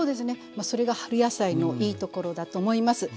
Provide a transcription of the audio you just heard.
まあそれが春野菜のいいところだと思います。